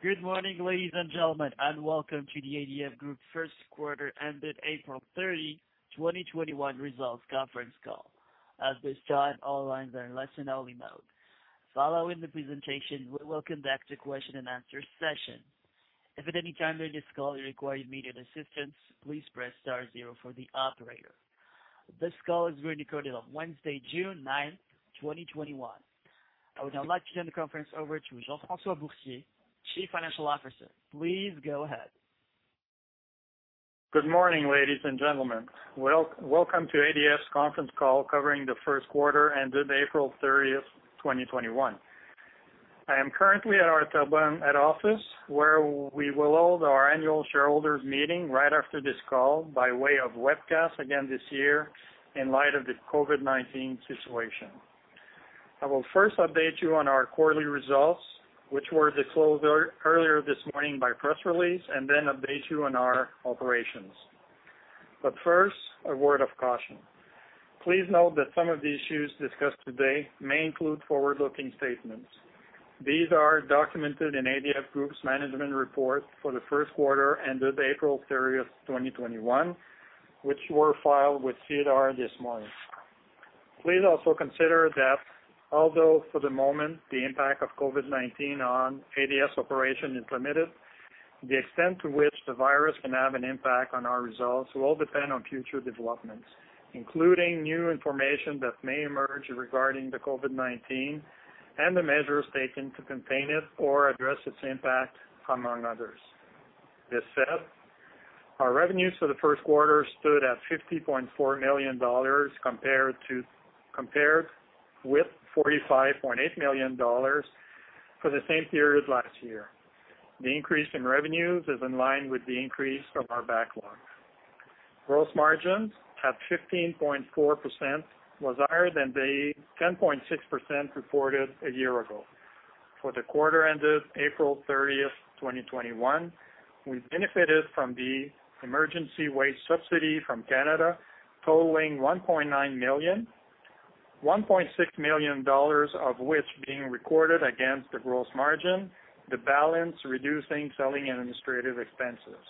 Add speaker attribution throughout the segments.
Speaker 1: Good morning, ladies and gentlemen, and welcome to the ADF Group first quarter ended April 30, 2021 results conference call. As we start, all lines are in listen-only mode. Following the presentation, we welcome back to question and answer session. If at any time during this call you require immediate assistance, please press star zero for the operator. This call is being recorded on Wednesday, June 9, 2021. I would now like to turn the conference over to Jean-François Boursier, Chief Financial Officer. Please go ahead.
Speaker 2: Good morning, ladies and gentlemen. Welcome to ADF's conference call covering the first quarter ended April 30th, 2021. I am currently at our office, where we will hold our annual shareholders meeting right after this call by way of webcast again this year in light of the COVID-19 situation. I will first update you on our quarterly results, which were disclosed earlier this morning by press release, and then update you on our operations. First, a word of caution. Please note that some of the issues discussed today may include forward-looking statements. These are documented in ADF Group's management report for the first quarter ended April 30th, 2021, which were filed with SEDAR this morning. Please also consider that although for the moment, the impact of COVID-19 on ADF's operation is limited, the extent to which the virus can have an impact on our results will all depend on future developments, including new information that may emerge regarding the COVID-19 and the measures taken to contain it or address its impact, among others. This said, our revenues for the first quarter stood at 50.4 million dollars compared with 45.8 million dollars for the same period last year. The increase in revenues is in line with the increase of our backlog. Gross margin, at 15.4%, was higher than the 10.6% reported a year ago. For the quarter ended April 30th, 2021, we benefited from the Emergency Wage Subsidy from Canada totaling 1.9 million, 1.6 million dollars of which being recorded against the gross margin, the balance reducing selling and administrative expenses.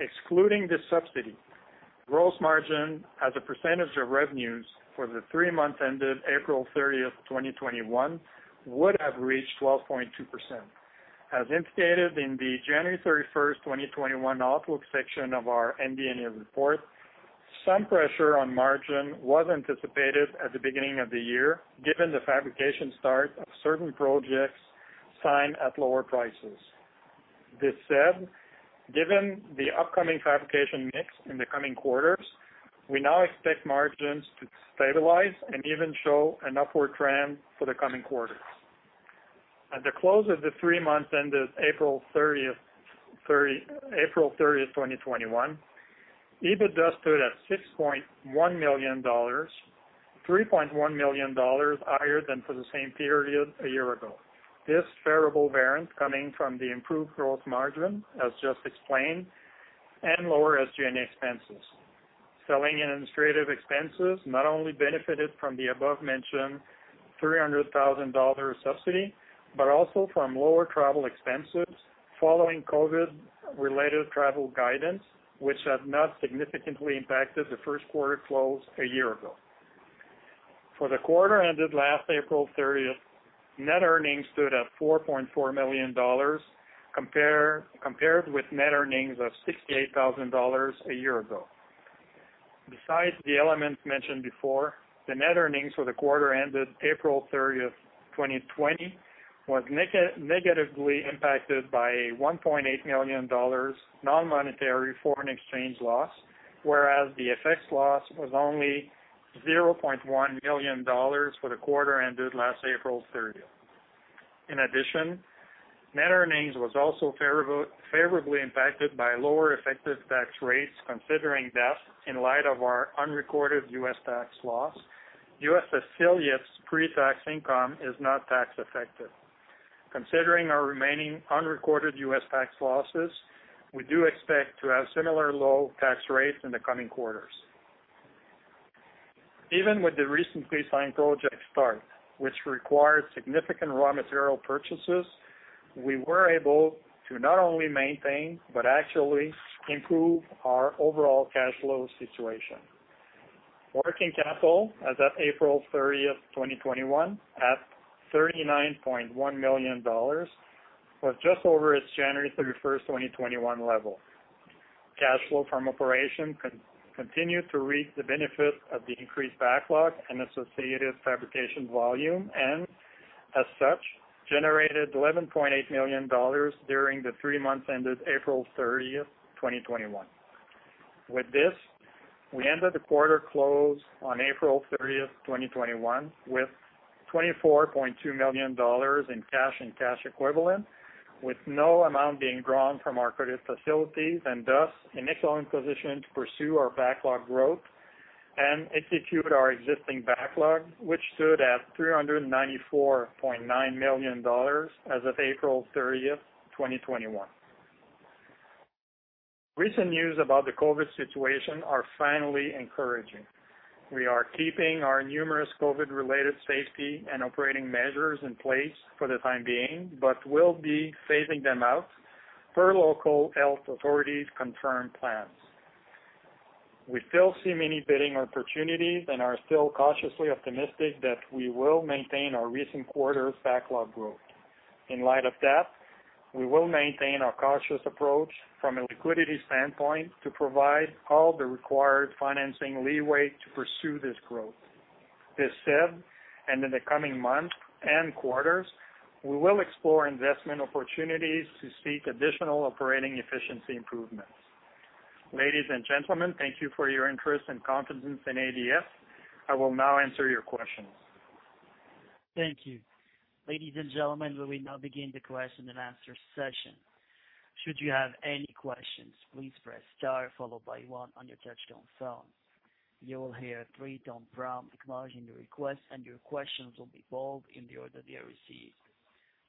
Speaker 2: Excluding the subsidy, gross margin as a percentage of revenues for the three months ended April 30th, 2021, would have reached 12.2%. As indicated in the January 31st, 2021 outlook section of our MD&A report, some pressure on margin was anticipated at the beginning of the year given the fabrication start of certain projects signed at lower prices. This said, given the upcoming fabrication mix in the coming quarters, we now expect margins to stabilize and even show an upward trend for the coming quarters. At the close of the three months ended April 30th, 2021, EBITDA stood at 6.1 million dollars, 3.1 million dollars higher than for the same period a year ago, this favorable variance coming from the improved gross margin, as just explained, and lower SG&A expenses. Selling administrative expenses not only benefited from the above-mentioned 300,000 dollar subsidy, but also from lower travel expenses following COVID-related travel guidance, which have not significantly impacted the first quarter close a year ago. For the quarter ended last April 30th, net earnings stood at 4.4 million dollars compared with net earnings of 68,000 dollars a year ago. Besides the elements mentioned before, the net earnings for the quarter ended April 30th, 2020, was negatively impacted by a 1.8 million dollars non-monetary foreign exchange loss, whereas the FX loss was only 0.1 million dollars for the quarter ended last April 30th. In addition, net earnings was also favorably impacted by lower effective tax rates, considering that in light of our unrecorded U.S. tax loss, U.S. facilities pre-tax income is not tax effective. Considering our remaining unrecorded U.S. tax losses, we do expect to have similar low tax rates in the coming quarters. Even with the recent pre-signed project start, which required significant raw material purchases, we were able to not only maintain, but actually improve our overall cash flow situation. Working capital as of April 30th, 2021, at 39.1 million dollars, was just over its January 31st, 2021 level. Cash flow from operation continued to reap the benefit of the increased backlog and associated fabrication volume, and as such, generated 11.8 million dollars during the three months ended April 30th, 2021. With this, we ended the quarter close on April 30th, 2021, with 24.2 million dollars in cash and cash equivalents, with no amount being drawn from our credit facilities, and thus an excellent position to pursue our backlog growth and execute our existing backlog, which stood at 394.9 million dollars as of April 30th, 2021. Recent news about the COVID situation are finally encouraging. We are keeping our numerous COVID-related safety and operating measures in place for the time being, but we'll be phasing them out per local health authorities' confirmed plans. We still see many bidding opportunities and are still cautiously optimistic that we will maintain our recent quarter backlog growth. In light of that, we will maintain our cautious approach from a liquidity standpoint to provide all the required financing leeway to pursue this growth. This said, and in the coming months and quarters, we will explore investment opportunities to seek additional operating efficiency improvements. Ladies and gentlemen, thank you for your interest and confidence in ADF. I will now answer your questions.
Speaker 1: Thank you. Ladies and gentlemen, we will now begin the question and answer session. Should you have any questions, please press star followed by one on your touchtone phone. You will hear a three-tone prompt acknowledging the request, and your questions will be polled in the order they are received.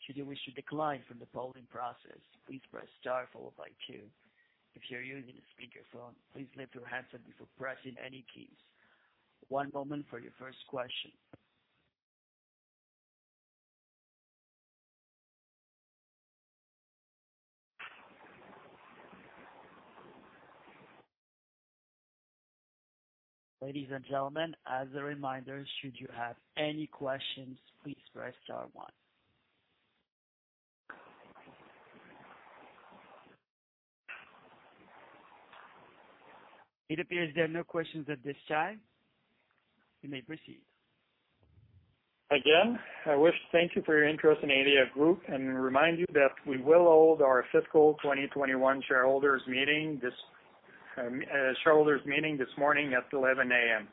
Speaker 1: Should you wish to decline from the polling process, please press star followed by two. If you're using a speakerphone, please mute your handset before pressing any keys. One moment for your first question. Ladies and gentlemen, as a reminder, should you have any questions, please press star one. It appears there are no questions at this time. You may proceed.
Speaker 2: Again, I wish to thank you for your interest in ADF Group and remind you that we will hold our fiscal 2021 shareholders meeting this morning at 11:00 A.M.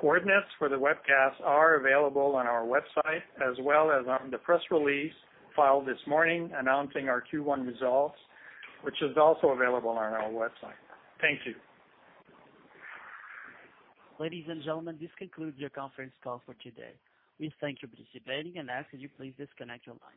Speaker 2: Coordinates for the webcast are available on our website as well as on the press release filed this morning announcing our Q1 results, which is also available on our website. Thank you.
Speaker 1: Ladies and gentlemen, this concludes your conference call for today. We thank you for participating and ask that you please disconnect your lines.